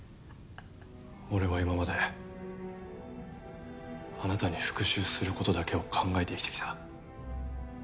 俺は今まであなたに復讐する事だけを考えて生きてきた。